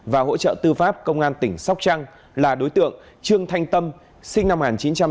và hỗ trợ tư pháp công an tỉnh sóc trăng là đối tượng trương thanh tâm sinh năm một nghìn chín trăm tám mươi